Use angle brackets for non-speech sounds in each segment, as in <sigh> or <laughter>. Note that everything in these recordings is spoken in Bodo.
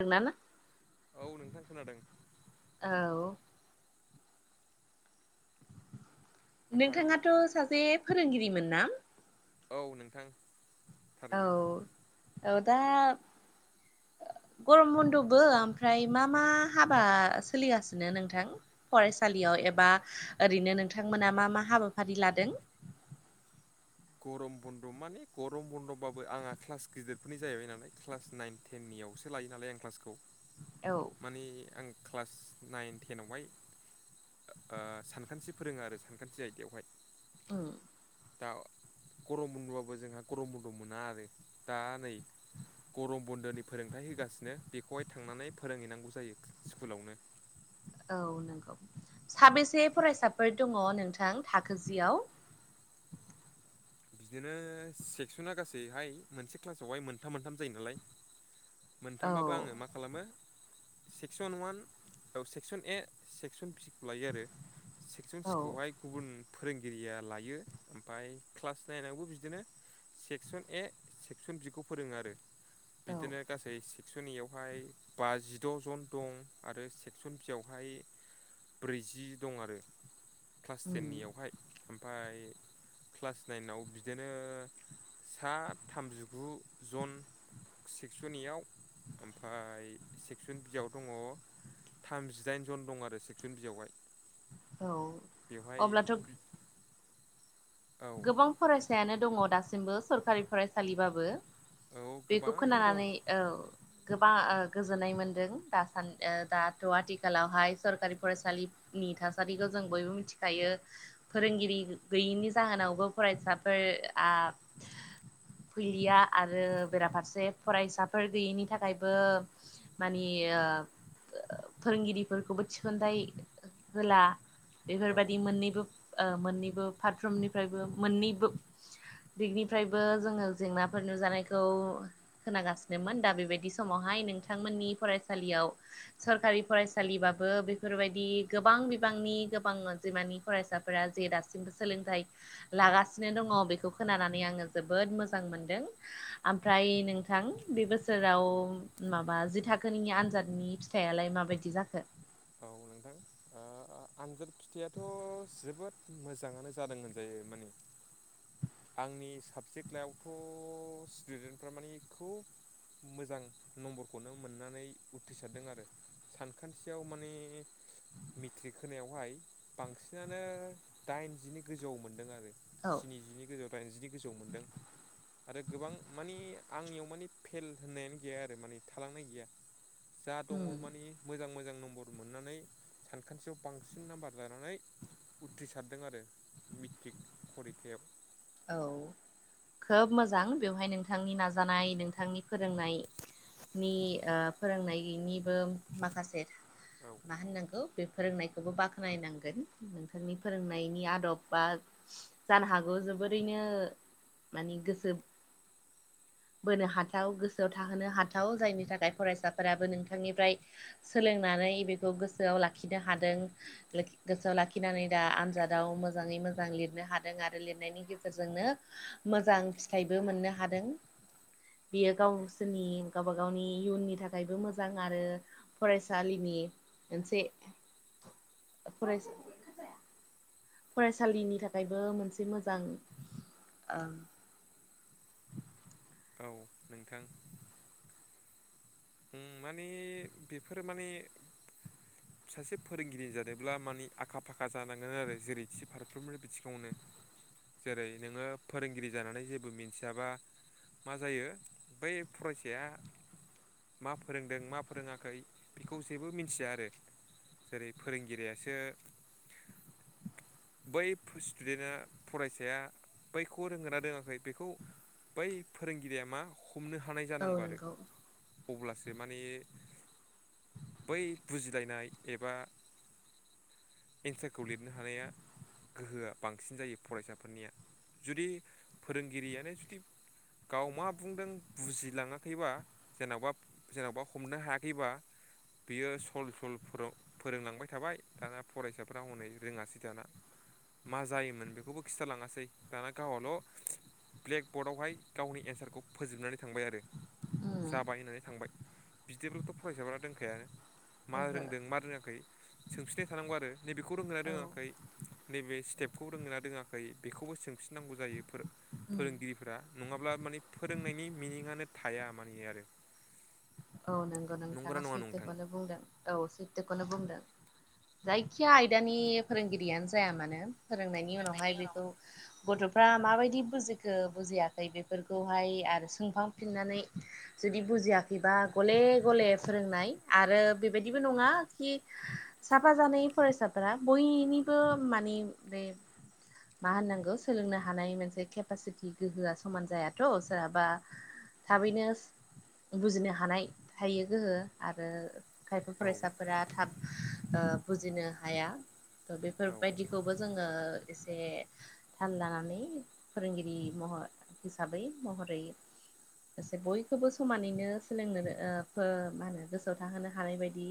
नोंना औ नोंथां खोनादों औ ओमफाय नोंथाङाथ' सासे फोरोंगिरिमोन ना औ नोंथां थारैनो औ औ दा गरम बन्द'बो ओमफ्राय मा मा हाबा सोलिगासिनो नोंथां फरायसालियाव एबा ओरैनो नोंथांमोना मा मा हाबाफारि लादों गरम बन्द' माने गरम बन्द'बाबो आंहा क्लास गिदिरफोरनि जाहैबाय नालाय क्लास नाइन टेननियावसो लायो नालाय आं क्लासखौ औ माने आं क्लास नाइन, टेनावहाय आ सानखान्थि फोरोङो आरो सानखान्थि आयदायावहाय <inaudible> दा गरम बन्दबाबो जोंहा गरम बन्द' मोना आरो दा नै गरम बन्दोनि फोरोंथाइ होगासिनो बेखौहाय थांनानै फोरोंहैनांगौ जायो स्कुलावनो औ नंगौ साबेसे फरायसाफोर दङ नोंथां थाखो जियाव बिदिनो सेक्सना गासैहाय मोनसे क्लासावहाय मोनथाम मोनथाम जायो नालाय औ मोनथामबाबो आङो मा खालामो सेक्सन अवान औ सेक्सन ए सेक्सन बि खौ लायो आरो सेक्सन औ सि खौहाय गुबुन फोरोंगिरिया लायो ओमफाय क्लास नाइनावबो बिदिनो सेक्सन ए सेक्सन बि खौ फोरोङो आरो औ बिदिनो गासै से सनिवहाय बाजिद' जन दं आरो सेक्सन बियावहाय ब्रैजि दं आरो क्लास उम टेननियावहाय ओमफाय क्लास नाइनाव बिदिनो सा थामजिगु जन सेक्सनयाव ओमफाय सेक्सन बियाव दङ थामजिदाइन जन दं आरो सेक्सन बियावहाय औ बेवहाय अब्लाथ' औ गोबां फरायसायानो दङ दासिमबो सरखारि फरायसालिबाबो औ बेखौ गोबां दं खोनानानै औ गोबां ओ गोजोननाय मोनदों दास दाथ' आथिखालावहाय सरकारि फरायसालि नि थासारिखौ जों बयबो मिथिखायो फोरोंगिरि गैयिनि जाहोनावबो फरायसाफोर आ फैलिया आरो बेराफारसे फरायसाफोर गैयैनि थाखायबो मानि फोरोंगिरिफोरखौबो थिसनथाइ होला औ बेफोरबायदि मोननैबो ओ मोननैबो पारुमनि फ्रायबो मोननैबो दिगनिफ्रायबो जोङो जेंनाफोर नुजानायखौ खोनागासिनोमोन दा बेबायदि समावहाय नोंथांमोननि फरायसालियाव सरकारि फरायसालिबाबो बेफोरबायदि गोबां बिबांनि गोबां अनजिमानि फरायसाफोरा जे दासिमबो सोलोंथाइ लागासिनो दङ बेखौ खोनानानै आङो जोबोद मोजां मोनदों ओमफ्राय नोंथां बे बोसोराव माबा जि थाखोनि आनजादनि फि फिथाइलाय माबायदि जाखो औ नोंथां आ आ आनजाद फिथाइयाथ' जोबोद मोजाङानो जादों होनजायो माने आंनि साबजेक्ट लायावथ' स्टुदेन्टफ्रा मानि खुब मोजां नम्बरखौनो मोननानै उथ्रिसारदों आरो सानखान थियाव माने मिट्रिक होनायावहाय बांसिनानो दाइनजिनि गोजौआव मोनदों आरो औ स्निजिनि गोजौ दाइनजिनि गोजौ मोनदों आरो गोबां मानि आंनियाव मानि फेल होननायानो गैया आरो मानि थालांनाय गैया जा दङ उम मानि मोजां मोजां नम्बर मोननानै सानखान्थियाव बांसिन नाम्बार लानानै उथ्रिसारदों आरो मिट्रिक फरिखायाव औ खोब मोजां बेवहाय नोंथांनि नाजानाय नोंथांनि फोरोंनाय नि ओ फोरोंनायनिबो माखासे औ मा होननांगौ बे फोरोंनायखौबो बाख्नायनांगोन नोंथांनि फोरोंनायनि आदबा जानो हागौ जोबोरैनो मानि गोसो बोनो हाथाव गोसोआव थाहोनो हाथाव जायनि थाखाय फरायसाफोराबो नोंथांनिफ्राय सोलोंनानै बेखौ गोसोआव लाखिनो हादों गोसोआव लाखिनानै दा आनजादाव मोजाङै मोजां लिरनो हादों आरो लिरनायनि गेजे रजोंनो मोजां फिथाइबो मोननो हादों बियो गावसोरनि गावबा गावनि इयुननि थाखायबो मोजां आरो फरायसालिनि मोनसे फरायसा फरायसालिनि थाखायबो मोनसे मोजां ओ औ नोंथां ओम माने बेफोर माने <inaudible> सासे फोरोंगिरि जानोब्ला मानि आखा फाखा जानांगोन आरो जेरै थि फारफ्रोमबो बिथिङावनो जेरै नोङो फोरोंगिरि जानानै जेबो मिनथियाबा मा जायो बै फरायसाया मा फोरोंदों मा फोरोङाखै बेखौ जेबो मिनथिया आरो जेरै फोरोंगिरियासो बै स्टुडेनआ फरायसाया बैखौ रोंगोना रोङाखै बेखौ बै फोरोंगिरिया मा हमनो हानाय औ जानांगौ आरो नंगौ अब्लासो माने बै बुजिलायनाय एबा एन्सारखौ लिरनो हानाया गोहोआ बांसिन जायो फरायसाफोरनिया जुदि फोरोंगिरियानो जुदि गाव मा बुंदों बुजिलाङाखैबा जेनावबा जेरावबा हमनो हायाखैबा बियो सल सल फोराव फोरोंलांबाय थाबाय दाना फरायसाफोरा हनै रोङासै दाना मा जायोमोन बेखौबो खिथालाङासै दाना गावहाल' ब्लेकबर्डआवहाय गावनि एन्सारखौ फोजोबनानै थांबाय आरो ओहो जाबाय होननानै थांबाय बिदिब्लाथ' फरायसाफोरा रोंखायानो मा रोंदों मा रोङाखै सोंफिननाय थानांगौ आरो नैबेखौ रोंगोनना औ रोङाखै नैबे स्टेपखौ रोंङोना रोङाखै बेखौबो सोंफिनांगौ जायो फो फोरोंगिरिफोरा नङाब्ला माने फोरोंनायनि मिनिङानो थाया माने आरो औ नोंगौ नोंथाङा नंगौना नङा नोंथां सैथोखौनो बुंदों औ सैथौखौनो बुंदों जायखिया आयदानि फोरोंगिरियानो जाया मानो फोरोंनायनि उनावहाय बेखौ गथ'फ्रा माबायदि बुजिखो बुजियाखै बेफोरखौहाय आरो सोंफांफिननानै जुदि बुजियाखैबा गले गले फोरोंनाय आरो बेबायदिबो नङा खि साफा जानाय फरायसाफोरा बयनिबो मानि बे मा होननांगौ सोलोंनो हानाय मोनसे केपासिटि गोहोआ समान जायाथ' सोरहाबा थाबैनो बुजिनो हानाय थायो गोहो आरो खायफा औ फरायसाफोरा थाब ओ बुजिनो हाया थ' औ बेफोरबायदिखौबो जोङो एसे थाल लानानै फोरोंगिरि महर हिसाबै महरै एसे बयखौबो समानैनो सोलोंनो नो ओ फो मा होनो गोसोआव थाहोनो हानाय बायदि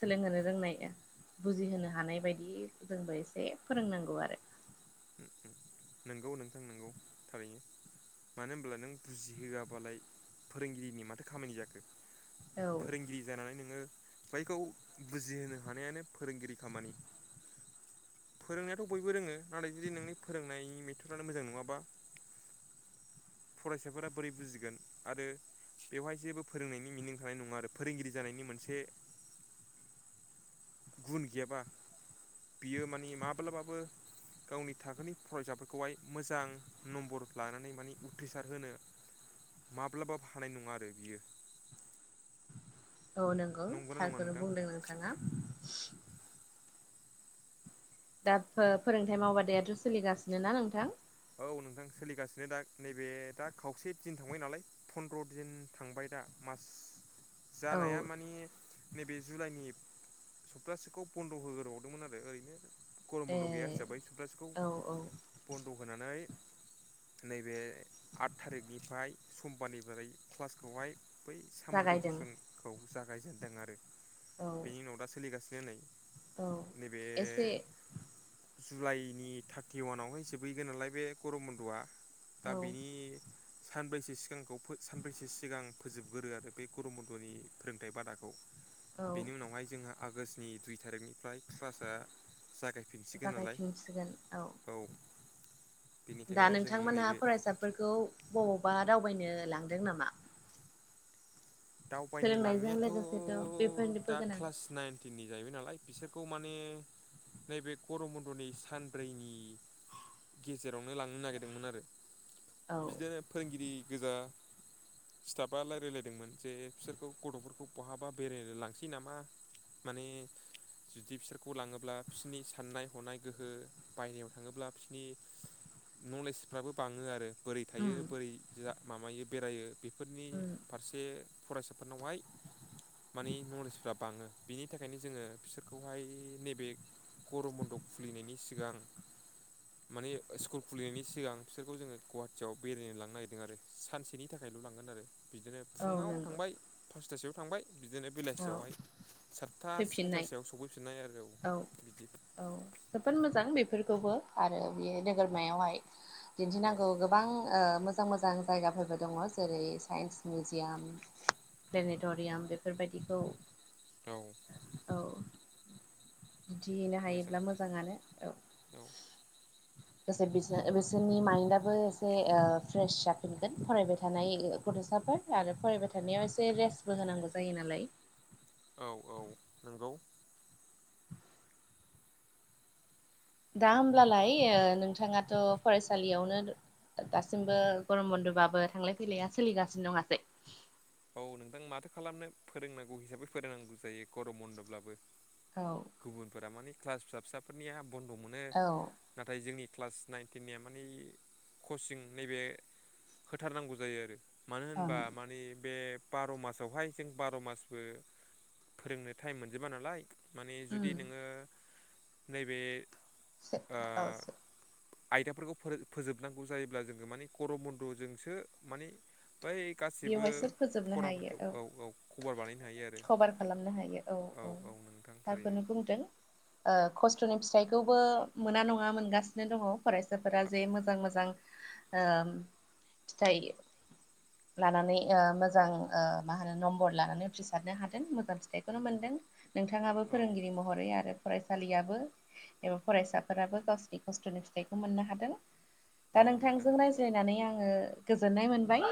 सोलोंहोनो रोंनाय बुजिहोनो हानाय बायदि जोंबो एसे फोरोंनांगौ आरो उम उम नोंगौ नोंथां नोंगौ थारैनो मानो होमब्ला नों बुजिहोआबालाय फोरोंगिरिनि माथो खामानि जाखो औ फोरोंगिरि जानानै नोङो बैखौ बुजिहोनो हानायानो फोरोंगिरि खामानि फोरोंनायाथ' बयबो रोङो नाथाय जुदि नोंनि फोरोंनायनि मेथडानो मोजां नङाबा फरायसाफोरा बोरै बुजिगोन आरो बेवहाय जेबो फोरोंनायनि मिनिं थानाय नङा आरो फोरोंगिरि जानायनि मोनसे गुन गेबा बियो माने माब्लाबाबो गावनि थाखोनि फरायसाफोरखौहाय मोजां नम्बर लानानै माने उथ्रिसार होनो माब्लाबाबो हानाय नङा आरो बियो औ नोंगौ नंगौना नङा थारखौनो नोंथां बुंदों नोंथाङा दा फो फोरोंथाइ मावबादायाथ' सोलिगासिनो ना नोंथां औ नोंथां सोलिगासिनो दा नैबे दा खावसे दिन थांबाय नालाय फन्द्र दिन थांबाय दा मास जानाया औ मानि नैबे जुलाइनि सप्तासेखौ बन्द' होगोरबावदोंमोन आरो ओरैनो गरम बन्द' गैया ए हिसाबै सफ्टासेखौ औ औ बन्द' होनानै नैबे आट थारिखनिफाय समबारनिफ्राय क्लासखौहाय बै सामार जागायदों भेकेसनखौ जागायजेनदों आरो औ बेनि उनाव दा सोलिगासिनो नै औ नैबे एसे जुलाइनि थारथिवानावहाय जोबहैगोन नालाय बे गरम बन्द'आ दा औ बेनि सानब्रैसो सिगांखौ फो सानब्रैसो सिगां फोजोबगोरो आरो बे गरम बन्दनि फोरोंथाइ बादाखौ औ बेनि उनावहाय जोंहा आगोष्टनि दुइ थारिकनिफ्राय क्लासआ जागाय जागायफिनसिगोन औ दा बेनिखायनो जों नोंथांमोनहा नैबे फरायसाफोरखौ बबावबा दावबायनो लांदों नामा दावबायनो सोलोंनायजों लांनायाथ' लोगोसेथ' बेफोरनिबो दा गोनां क्लास नाइन टिननि जाहैबाय नालाय बिसोरखौ माने नैबे गरम बन्दनि सानब्रैनि गेजेरावनो लांनो नागेरदोंमोन आरो औ बिदिनो फोरोंगिरि गोजा स्थाब्बा रायलायलायदोंमोन जे फिसोरखौ गथ'फोरखौ बहाबा बेरायनो लांसै नामा माने जुदि फिसोरखौ लाङोब्ला फिसिनि साननाय हनाय गोहो बायरायाव थाङोब्ला फ्सिनि नलेजफ्राबो बाङो आरो बोरै थायो उम बोरै जा माबायो बेरायो बेफोरनि उम फारसे फरायसाफोरनावहाय मानि नलेजफ्रा बाङो बिनि थाखायनो जोङो फिसोरखौहाय नेबे गरम मन्दप खुलिनायनि सिगां <inaudible> माने स्कुल खुलिनायनि सिगां फिसोरखौ जोङो गुवाहाटियाव बेरायनो लांनो नागिरदों आरो सानसेनि थाखायल' लांगोन आरो बिदिनो औ फुङाव नंगौ थांबाय फासथासोआव थांबाय बिदिनो औ बेलासियावहाय सातथा फैफिननाय सयथासोआव सौफैफिननाय आरो औ बिदि औ जोबोद मोजां बेफोरखौबो आरो बेयो नोगोरमायावहाय औ दिन्थिनांगौ गोबां ओ मोजां मोजां जायगाफोरबो दङ जेरै साइन्स मिउजियाम प्लेनेट'रियाम बेफोरबायदिखौ औ औ दिनथिहैनो मोजां हायोब्ला मोजाङानो औ दसे बिसो-बिसोरनि माइन्दआबो एसे फ्रेस जाफिनगोन फरायबाय थानाय गथ'साफोर आरो फरायबाय थानायाव एसे रेसबो होनांगौ जायो नालाय औ औ नोंगौ दा होमब्लालाय ओ नोंथाङाथ' फरायसालियावनो दासिमबो गरम बन्द'बाबो थांलाय फैलाया सोलिगासिनो नङासै औ नोंथां माथो खालामनो फोरोंनांगौ हिसाबै फोरोंनांगौ जायो गरम बन्द'ब्लाबो औ गुबुनफोरा मानि क्लास फिसा फिसाफोरनिया बन्द' मोनो औ नाथाय जोंनि क्लास नाइन टेननिया मानि कचिं नैबे होथारनांगौ जायो आरो मानो ओं। होनबा मानि बे बार' मासावहाय जों बार' मासबो फोरोंनो टाइम मोनजोबा नालाय माने उम जुदि नोङो नैबे सो ओ औ सो आयदाफोरखौ फोरों फोजोबनांगौ जायोब्ला जोङो माने गरम बन्द'जोंसो माने बै गासिबो बेवहायसो फोजोबनो हायो फराफोरखौ औ खबर बानायनो हायो आरो कभार खालामनो हायो औ औ थारखौनो बुंदों खस्थ'नि फिथाइखौबो मोना नङा मोनगासिनो दङ फरायसाफोरा जे मोजां मोजां फिथाइ लानानै ओ मोजां मा होनो नम्बर लानानै उथ्रिसारनो हादों मोजां फिथाइखौनो मोनदों नोंथाङाबो औ फोरोंगिरि महरै आरो फरायसालियाबो एबा फरायसाफोराबो गावसिनि खस्थ'नि फिथाइखौ मोननो हादों दा औ नोंथां नोंथांजों रायज्लायनानै आङो गोजोननाय मोनबाय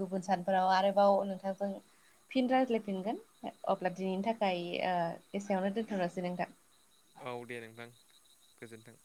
गुबुन सानफोराव आरोबाव नोंथांजों फिन रायज्लायफिनगोन अब्ला दिनैनि थाखाय ओ एसेयावनो दोन्थ'नोसै नोंथां औ दे नोंथां गोजोन्थों